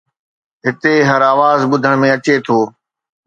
هتي هر آواز ٻڌڻ ۾ اچي ٿو